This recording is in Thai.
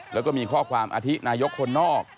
แล้วก็มีข้อความอาทินายกคนนอก